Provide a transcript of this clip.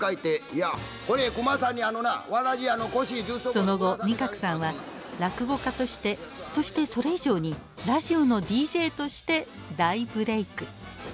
その後仁鶴さんは落語家としてそしてそれ以上にラジオのＤＪとして大ブレーク。